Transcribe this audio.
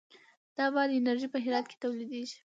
د باد انرژي په هرات کې تولیدیږي